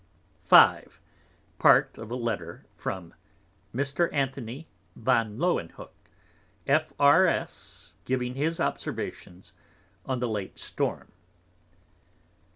V. Part of a Letter from Mr. Anthony van Lauwenhoek, F.R.S. giving his Observations on the late Storm.